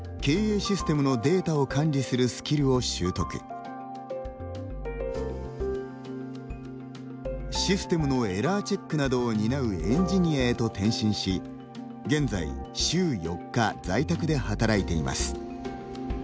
システムのエラーチェックなどを担うエンジニアへと転身し現在、週４日在宅で働いています。